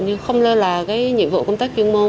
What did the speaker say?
nhưng không lo là nhiệm vụ công tác chuyên môn